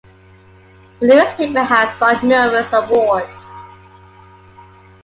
The newspaper has won numerous awards.